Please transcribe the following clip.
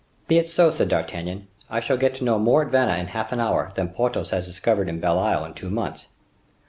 "Be it so," said D'Artagnan; "I shall get to know more at Vannes in half an hour than Porthos has discovered at Belle Isle in two months.